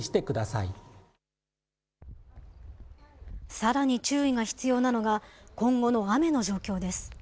さらに注意が必要なのが、今後の雨の状況です。